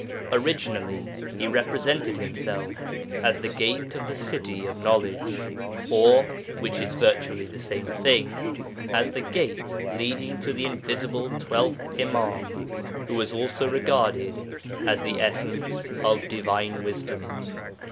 Originally he represented himself as the Gate of the City of Knowledge, or which is virtually the same thing as the Gate leading to the invisible twelfth Imâm who was also regarded as the Essence of Divine Wisdom.